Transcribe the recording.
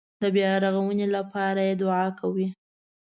د بیارغونې لپاره یې دعا کوي.